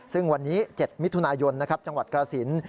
ซึ่งวันนี้๗มิถุนายนจังหวัดกราศิลป์